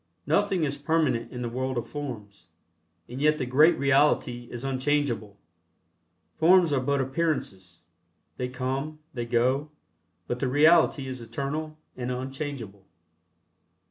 Nothing is permanent in the world of forms, and yet the great Reality is unchangeable. Forms are but appearances they come, they go, but the Reality is eternal and unchangeable.